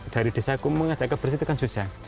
dari desa kumung ajak kebersih itu kan susah